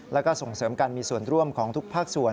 แล้วก็ส่งเสริมการมีส่วนร่วมของทุกภาคส่วน